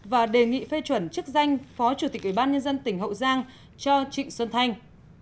và đề nghị phê chuẩn chức danh phó chủ tịch ủy ban nhân dân tỉnh hậu giang cho trịnh xuân thanh